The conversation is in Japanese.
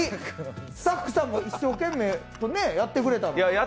スタッフさんも一生懸命やってくれたんだから。